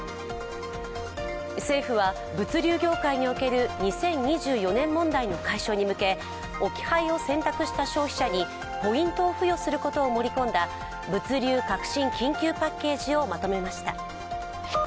政府は物流業界における２０２４年問題の解消に向け置き配を選択した消費者にポイントを付与することを盛り込んだ物流革新緊急パッケージをまとめました。